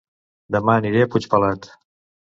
Dema aniré a Puigpelat